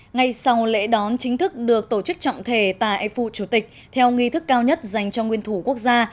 ngay sau lễ đón chính thức được tổ chức trọng thể tại phủ chủ tịch theo nghi thức cao nhất dành cho nguyên thủ quốc gia